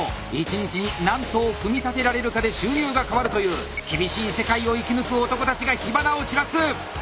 １日に何棟組み立てられるかで収入が変わるという厳しい世界を生き抜く男たちが火花を散らす！